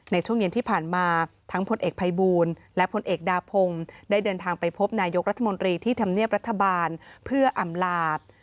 ในช่วงเย็นที่ผ่านมาทั้งพลเอกภัยบูลและพลเอกดาพงศ์ได้เดินทางไปพบนายกรัฐมนตรีที่ทำเนียบรัฐบาลเพื่ออำลาบ